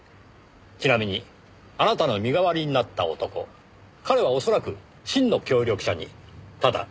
ちなみにあなたの身代わりになった男彼は恐らく真の協力者にただ連れて来られただけでしょう。